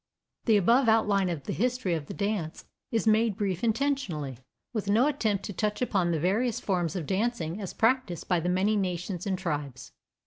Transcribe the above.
The above outline of the history of the dance is made brief intentionally, with no attempt to touch upon the various forms of dancing as practiced by the many nations and tribes.